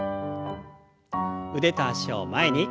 腕と脚を前に。